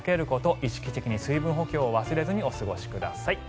意識的に水分補給を忘れずにお過ごしください。